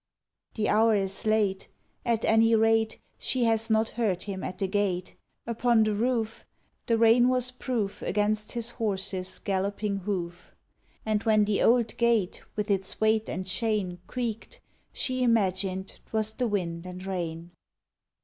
The hour is late At any rate She has not heard him at the gate: Upon the roof The rain was proof Against his horse's galloping hoof: And when the old gate with its weight and chain Creaked, she imagined 'twas the wind and rain.